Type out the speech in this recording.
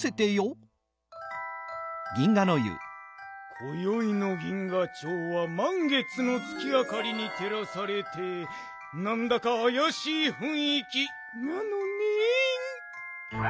こよいの銀河町はまん月の月あかりにてらされてなんだかあやしいふんいきなのねん。